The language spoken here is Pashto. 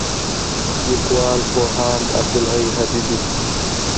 لیکوال: پوهاند عبدالحی حبیبي